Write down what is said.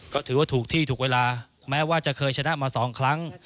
ก็ถือว่าถูกที่ถูกเวลาแม้ว่าจะเคยชนะมา๒ครั้ง